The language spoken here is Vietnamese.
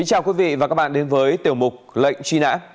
chào quý vị và các bạn đến với tiểu mục lệnh truy nã